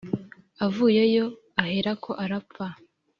avuyeyo aherako arapfa."